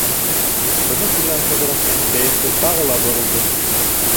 Быны күргән Ҡыҙырастың кәйефе тағы ла боҙолдо.